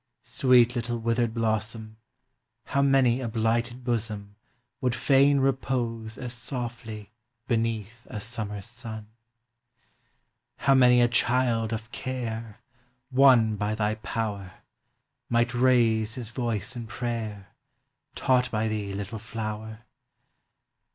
Sweet little withered blossom, How many a blighted bosom Would fain repose as softly beneath a summer’s sun! How many a child of care, Won by thy power, Might raise his voice in prayer, Taught by thee, little flower!